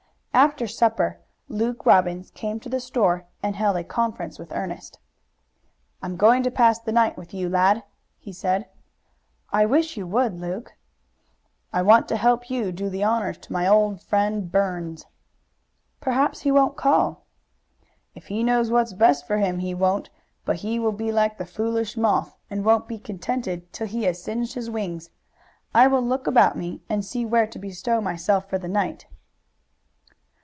After supper Luke Robbins came to the store and held a conference with Ernest. "I am going to pass the night with you, lad," he said. "I wish you would, Luke." "I want to help you do the honors to my old friend Burns." "Perhaps he won't call." "If he knows what's best for him he won't, but he will be like the foolish moth, and won't be contented till he has singed his wings. I will look about me and see where to bestow myself for the night."